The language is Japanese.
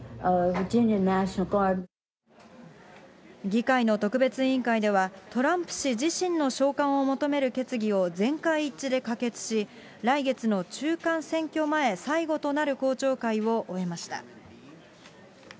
議会の特別委員会では、トランプ氏自身の召喚を求める決議を全会一致で可決し、来月の中間選挙前最後となる公聴会を終えました。